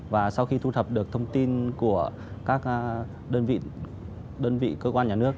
và sau khi thu thập được thông tin của các đơn vị cơ quan nhà nước